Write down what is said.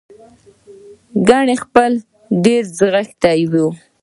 ګنې خپله ډېر غښتلی و.